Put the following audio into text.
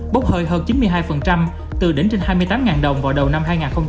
bốc hơi hơn chín mươi hai từ đỉnh trên hai mươi tám đồng vào đầu năm hai nghìn hai mươi